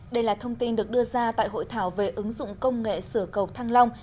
đây là thông tin được đưa ra tại hội thảo về ứng dụng công nghệ sửa cầu thăng long